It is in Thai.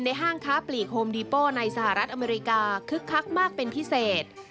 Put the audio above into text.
ห้างค้าปลีกโฮมดีโป้ในสหรัฐอเมริกาคึกคักมากเป็นพิเศษ